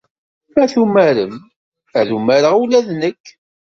Ma tumarem, ad umareɣ ula d nekk.